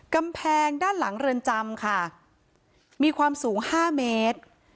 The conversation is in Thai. กำแพงด้านหลังเรือนจำค่ะมีความสูง๕เมตร